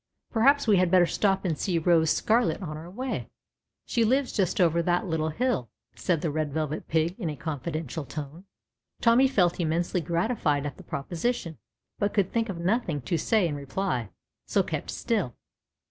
"Perhaps we had better stop and see Rose Scarlet on our way. She lives just over that little hill," said the Red Velvet Pig in a confidential tone. Tommy felt immensely gratified at the proposition, but could think of nothing to say in reply, so kept still.